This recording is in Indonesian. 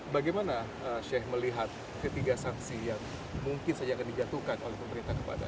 bagaimana sheikh melihat ketiga sanksi yang mungkin saja akan dijatuhkan oleh pemerintah kepada